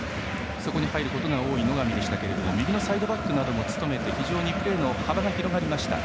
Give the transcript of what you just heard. そこに入ることが多い野上でしたが右サイドバックなども務めて非常にプレーの幅が広がりました。